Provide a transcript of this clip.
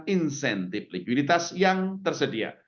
insentif likuiditas yang tersedia